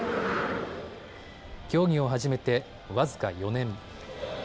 競技を始めて僅か４年。